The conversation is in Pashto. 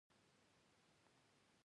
مصنوعي خوشبويئ او يخه وچه هوا وي